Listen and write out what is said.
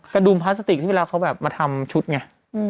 กระดุมพลาสติกที่เวลาเขาแบบมาทำชุดไง